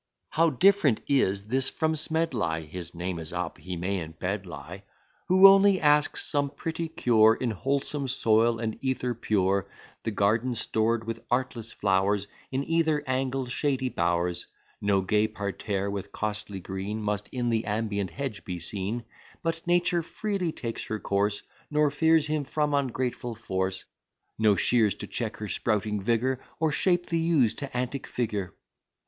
How different is this from Smedley! (His name is up, he may in bed lie) "Who only asks some pretty cure, In wholesome soil and ether pure: The garden stored with artless flowers, In either angle shady bowers: No gay parterre with costly green Must in the ambient hedge be seen; But Nature freely takes her course, Nor fears from him ungrateful force: No shears to check her sprouting vigour, Or shape the yews to antic figure."